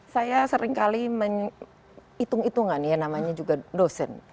saya seringkali menghitung hitungan ya namanya juga dosen